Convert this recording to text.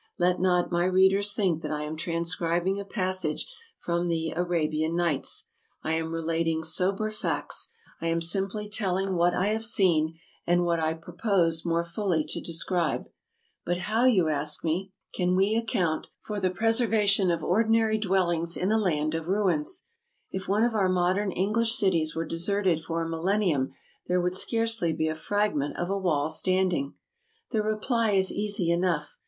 Let not my readers think that I am transcribing a passage from the " Arabian Nights. " I am relating sober facts; I am simply telling what I have seen, and what I purpose more fully to describe. " But how," you ask me, " can we account for the pres 263 264 TRAVELERS AND EXPLORERS ervation of ordinary dwellings in a land of ruins ? If one of our modern English cities were deserted for a millennium there would scarcely be a fragment of a wall standing." The reply is easy enough.